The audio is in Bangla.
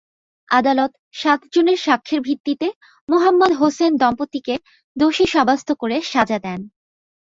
আদালত সাতজনের সাক্ষ্যের ভিত্তিতে মোহাম্মদ হোসেন দম্পত্তিকে দোষী সাব্যস্ত করে সাজা দেন।